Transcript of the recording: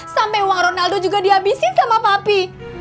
sampai uang ronaldo juga dihabisin sama papi